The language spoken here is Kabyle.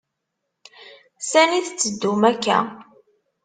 Sani tetteddum akk-a?